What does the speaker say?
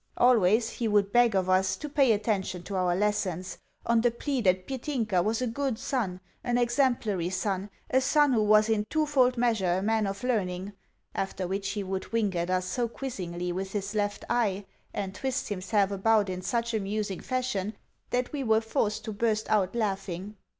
Always he would beg of us to pay attention to our lessons, on the plea that Petinka was a good son, an exemplary son, a son who was in twofold measure a man of learning; after which he would wink at us so quizzingly with his left eye, and twist himself about in such amusing fashion, that we were forced to burst out laughing.